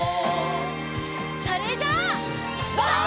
それじゃあ。